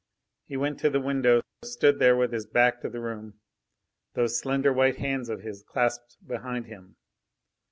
He went to the window, stood there with his back to the room, those slender white hands of his clasped behind him.